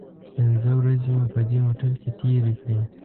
پنځه ورځې مو په دې هوټل کې تیرې کړې.